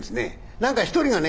何か一人がね